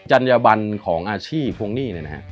จัญบันของอาชีพพวกนี้นะครับ